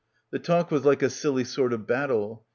The talk was like a silly sort of battle.